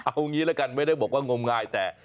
เอางี้ละกันไม่ได้บอกว่างมงายแต่